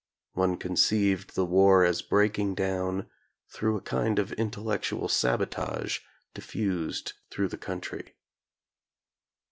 One conceived the war as breaking down through a kind of intellectual sabotage diffused through the country.